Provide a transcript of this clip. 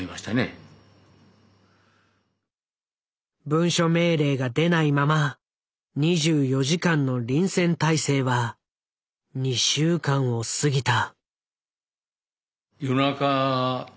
文書命令が出ないまま２４時間の臨戦態勢は２週間を過ぎた。